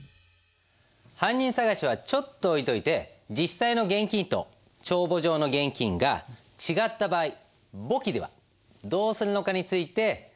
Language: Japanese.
犯人捜しはちょっと置いといて実際の現金と帳簿上の現金が違った場合簿記ではどうするのかについて説明しましょう。